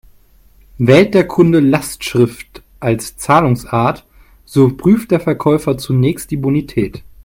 Wählt der Kunde Lastschrift als Zahlungsart, so prüft der Verkäufer zunächst die Bonität.